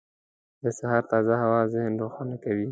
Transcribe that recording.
• د سهار تازه هوا ذهن روښانه کوي.